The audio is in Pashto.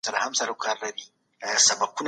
تاسو به له فکري بندیزونو څخه خلاص پاته کیږئ.